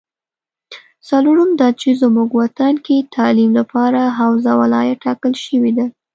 څلورم دا چې زمونږ وطن کې تعلیم لپاره حوزه ولایت ټاکل شوې ده